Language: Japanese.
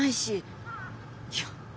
いや。